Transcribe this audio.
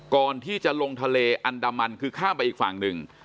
ก่อนที่จะลงทะเลอันดามันคือข้ามไปอีกฝั่งหนึ่ง